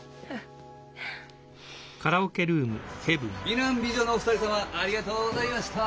美男美女のお二人様ありがとうございました。